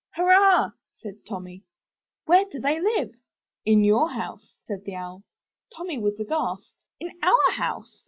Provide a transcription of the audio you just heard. ''Hurrah!" said Tommy. "Where do they live?" "In your house," said the Owl. Tommy was aghast. "In our house!"